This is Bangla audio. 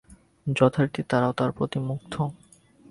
যথারীতি তারাও তার প্রতি মুগ্ধ।